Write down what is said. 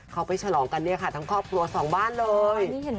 เขาไปฉลองทั้งครอบครัวสองบ้านเลย